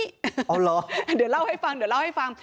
เอาเหรอเดี๋ยวเล่าให้ฟังเดี๋ยวเล่าให้ฟัง